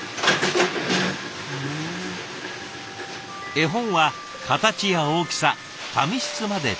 絵本は形や大きさ紙質まで多種多様。